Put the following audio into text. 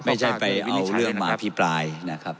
ไม่ใช่ไปเอาเรื่องมาอภิปรายนะครับ